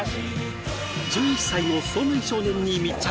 １１歳のそうめん少年に密着！